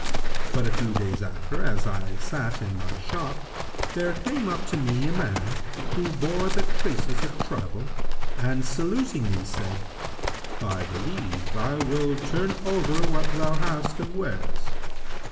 But a few days after, as I sat in my shop, there came up to me a man, who bore the traces of travel, and saluting me, said, 'By thy leave, I will turn over what thou hast of wares.'